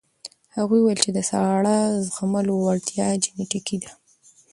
هغې وویل د ساړه زغملو وړتیا جینیټیکي ده.